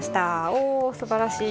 おおすばらしい。